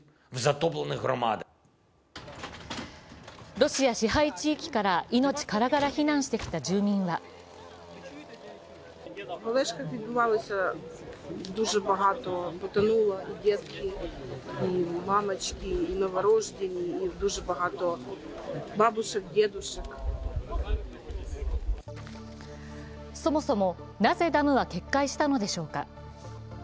ロシア支配地域から命からがら避難してきた住民はそもそもなぜダムは決壊したのでしょうか。